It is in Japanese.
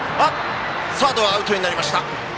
サードはアウトになりました。